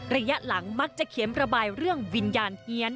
ระยะหลังมักจะเขียนระบายเรื่องวิญญาณเฮียน